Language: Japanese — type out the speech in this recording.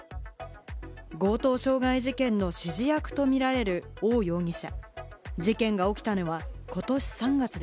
強盗傷害事件の指示役とみられるオウ容疑者。